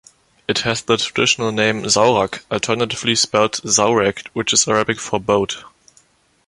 It has the traditional name "Zaurak", alternatively spelled Zaurac, which is Arabic for 'boat'.